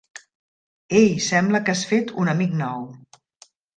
Ei, sembla que has fet un amic nou.